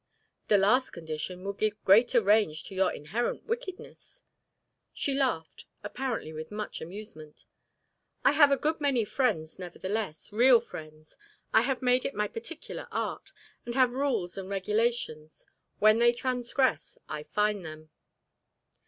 "The last condition would give greater range to your inherent wickedness." She laughed, apparently with much amusement. "I have a good many friends, nevertheless, real friends. I have made it my particular art, and have rules and regulations. When they transgress, I fine them."